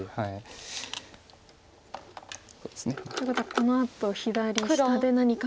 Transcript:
そうですね。ということはこのあと左下で何か。